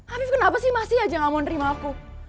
habib kenapa sih masih aja gak mau nerima aku